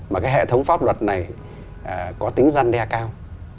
mà cái hệ thống pháp luật này có tính răn đe cao